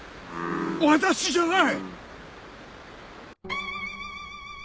私じゃない！